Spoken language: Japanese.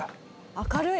明るい！